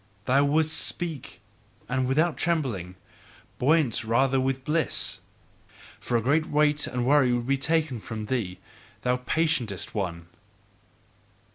Thou wouldst speak, and without trembling, buoyant rather with bliss, for a great weight and worry would be taken from thee, thou patientest one!